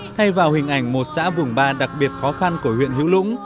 thay vào hình ảnh một xã vùng ba đặc biệt khó khăn của huyện hữu lũng